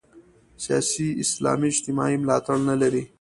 سیاسي اسلام اجتماعي ملاتړ نه لري.